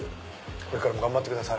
これからも頑張ってください。